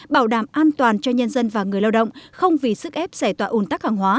bảo đảm an toàn cho nhân dân và người lao động không vì sức ép xảy tỏa ồn tắc hàng hóa